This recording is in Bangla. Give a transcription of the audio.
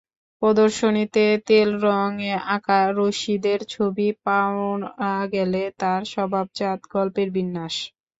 প্রদর্শনীতে তেলরঙে আঁকা রশিদের ছবিতে পাওয়া গেল তাঁর স্বভাবজাত গল্পের বিন্যাস।